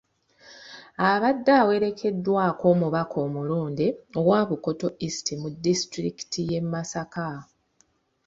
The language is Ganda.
Abadde awerekeddwako omubaka omulonde owa Bukoto East mu disitulikiti y'e Masaka